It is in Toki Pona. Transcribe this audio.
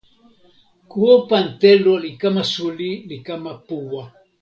ko pan telo li kama suli li kama puwa.